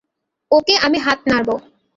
ওকে, আমি হাত নাড়ব।